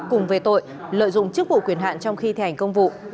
cùng về tội lợi dụng chức vụ quyền hạn trong khi thi hành công vụ